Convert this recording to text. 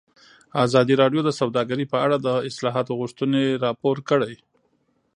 ازادي راډیو د سوداګري په اړه د اصلاحاتو غوښتنې راپور کړې.